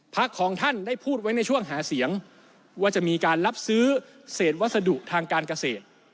ของท่านได้พูดไว้ในช่วงหาเสียงว่าจะมีการรับซื้อเศษวัสดุทางการเกษตร